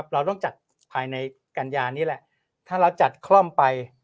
เราต้องจัดภายในกัญญานี้แหละถ้าเราจัดคล่อมไป